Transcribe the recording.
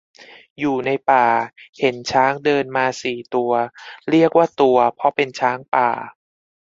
อยู่ในป่า เห็นช้างเดินมาสี่ตัว เรียกว่าตัวเพราะเป็นช้างป่า